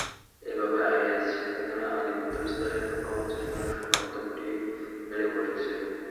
এভাবে আইএস যেখানে আধিপত্য বিস্তারে সক্ষম হচ্ছে, সেখানেই শক্ত খুঁটি গেড়ে বসছে।